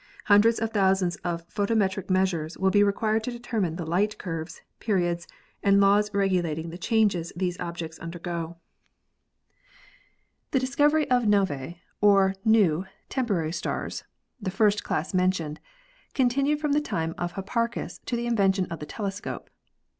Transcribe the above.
Hundreds of thousands of photometric measures will be required to determine the light curves, periods and laws regulating the changes these objects undergo." VARIABLE AND BINARY STARS 281 The discovery of novae, or new, temporary stars (the first class mentioned), continued from the time of Hip parchus to the invention of the telescope.